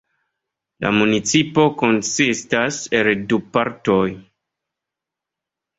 La municipo konsistas el du partoj.